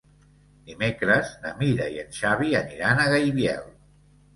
Dimecres na Mira i en Xavi aniran a Gaibiel.